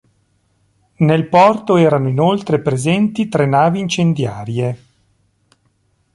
Nel porto erano inoltre presenti tre navi incendiarie.